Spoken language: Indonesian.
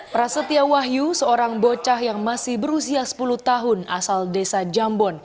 prasetya wahyu seorang bocah yang masih berusia sepuluh tahun asal desa jambon